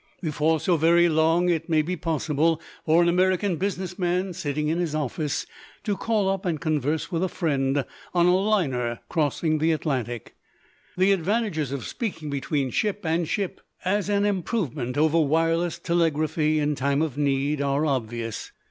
Before so very long it may be possible for an American business man sitting in his office to call up and converse with a friend on a liner crossing the Atlantic. The advantages of speaking between ship and ship as an improvement over wireless telegraphy in time of need are obvious.